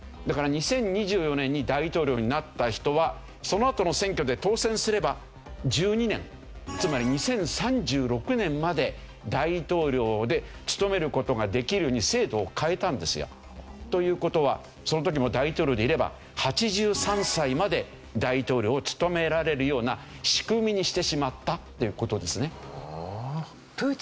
だから２０２４年に大統領になった人はそのあとの選挙で当選すれば１２年つまり２０３６年まで大統領を務める事ができるように制度を変えたんですよ。という事はその時も大統領でいれば８３歳まで大統領を務められるような仕組みにしてしまったという事ですね。